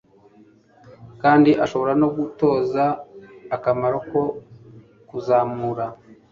kandi ashobora no gutoza akamaro ko kuzamura